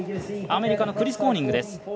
アメリカのクリス・コーニング。